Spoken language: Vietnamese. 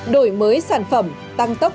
đổi mới sản phẩm tăng tốc